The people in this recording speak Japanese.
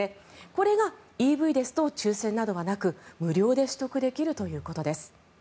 これがＥＶですと抽選などはなく無料で取得できるということです。